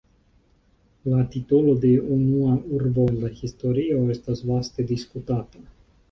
La titolo de "unua urbo en la historio" estas vaste diskutata.